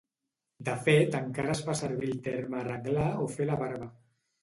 De fet encara es fa servir el terme arreglar o fer la barba.